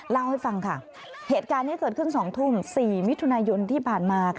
เล่าให้ฟังค่ะเหตุการณ์นี้เกิดขึ้น๒ทุ่ม๔มิถุนายนที่ผ่านมา